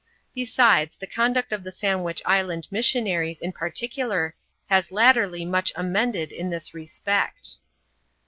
Besides, the conduct of the Sandwich Island missionaries, in particular, has latterly much amended in this respect.